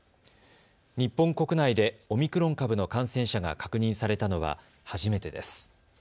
日本国内でオミクロン株の感染者が確認されたのは初めてです。